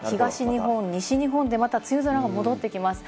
ただ日曜以降は東日本、西日本でまた梅雨空が戻ってきます。